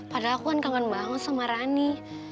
padahal aku kan kangen banget sama rani